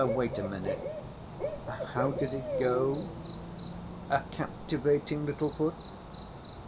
Wait a minute—how did it go? A captivating little foot.